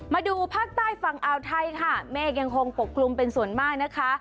มาดูภาคใต้ฝั่งอาวไทยค่ะเมฆยังคงปกกลุ่มเป็นส่วนมากนะคะ